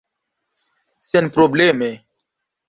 senprobleme